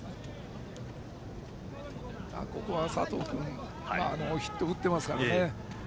ここは佐藤君ヒットを打ってますからね。